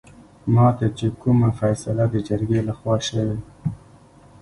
ماته چې کومه فيصله دجرګې لخوا شوې